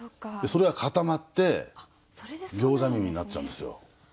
それが固まって餃子耳になっちゃうんですよ。